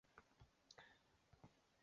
现时陈为纽约市联合会的成员之一。